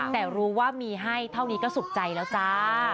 แต่รู้ว่ามีให้เท่านี้ก็สุขใจแล้วจ้า